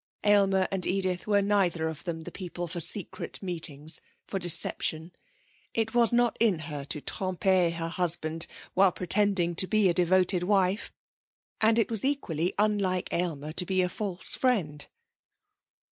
Aylmer and Edith were neither of them the people for secret meetings, for deception. It was not in her to tromper her husband while pretending to be a devoted wife, and it was equally unlike Aylmer to be a false friend.